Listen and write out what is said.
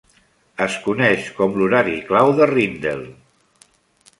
Es coneix com l'horari clau de Rijndael.